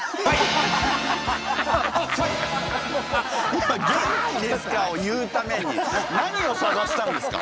今「元気ですか！？」を言うために何を探したんですか？